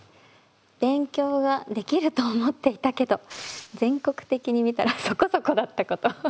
「勉強ができると思っていたけど全国的にみたらそこそこだったこと」。